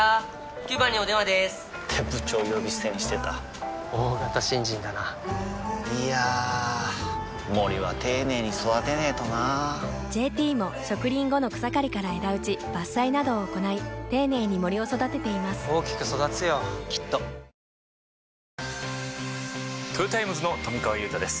９番にお電話でーす！って部長呼び捨てにしてた大型新人だないやー森は丁寧に育てないとな「ＪＴ」も植林後の草刈りから枝打ち伐採などを行い丁寧に森を育てています大きく育つよきっとトヨタイムズの富川悠太です